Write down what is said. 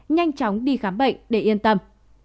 nhanh chóng đi khám bệnh để yên tâm